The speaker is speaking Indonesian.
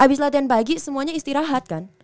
habis latihan pagi semuanya istirahat kan